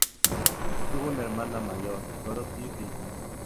Tuvo una hermana mayor, Dorothy Finn.